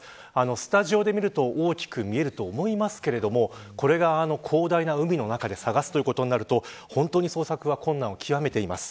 スタジオで見ると大きく見えると思いますけれどもこれが広大な海の中で探すということになると本当に捜索が困難を極めています。